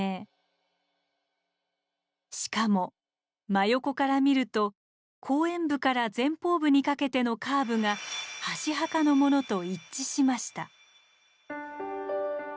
しかも真横から見ると後円部から前方部にかけてのカーブが箸墓のものと一致しました。